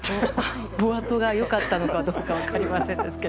おあとがよかったのかどうか分かりませんが。